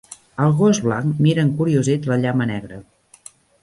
El gos blanc mira encuriosit la llama negra.